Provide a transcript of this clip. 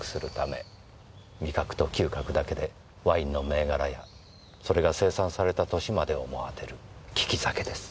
味覚と嗅覚だけでワインの銘柄やそれが生産された年までをも当てる利き酒です。